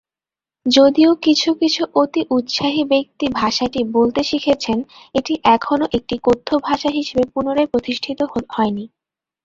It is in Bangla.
যদিও কিছু কিছু অতি-উৎসাহী ব্যক্তি ভাষাটি বলতে শিখেছেন, এটি এখনও একটি কথ্য ভাষা হিসেবে পুনরায় প্রতিষ্ঠিত হয়নি।